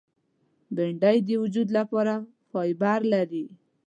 بېنډۍ د وجود لپاره فایبر لري